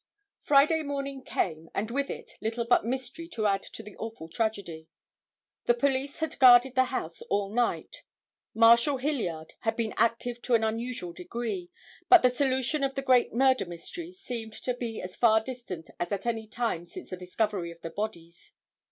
Friday morning came and with it little but mystery to add to the awful tragedy. The police had guarded the house all night. Marshal Hilliard had been active to an unusual degree, but the solution of the great murder mystery seemed to be as far distant as at any time since the discovery of the bodies.